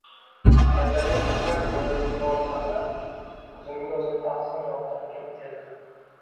Kallamda birdan jo‘yali javob chaqnab, o‘zimga o‘zim tahsin yog‘dirgim keldi: